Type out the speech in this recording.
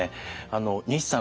西さん